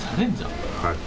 はい。